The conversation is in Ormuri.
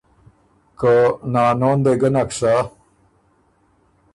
که نانو ن دې ګۀ نک سَۀ“